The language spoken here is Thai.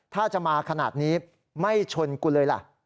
ถ้าจะมาขนาดนี้ไม่ชนกูเลยล่ะ